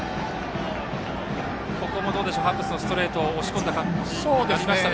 ここもハッブスのストレートで押し込んだ感じになりましたか。